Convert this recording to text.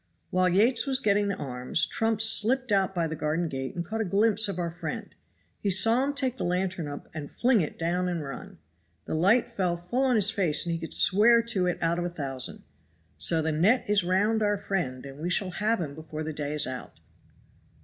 While Yates was getting the arms, Trumps slipped out by the garden gate and caught a glimpse of our friend; he saw him take the lantern up and fling it down and run. The light fell full on his face and he could swear to it out of a thousand. So the net is round our friend and we shall have him before the day is out."